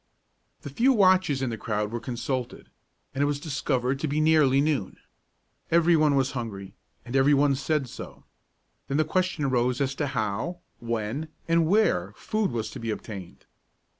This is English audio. The few watches in the crowd were consulted, and it was discovered to be nearly noon. Every one was hungry, and every one said so. Then the question arose as to how, when, and where food was to be obtained.